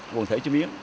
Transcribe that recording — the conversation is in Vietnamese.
vùng thể chim yến